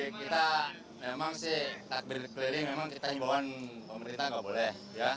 kita memang sih takbir keliling memang kita himbauan pemerintah nggak boleh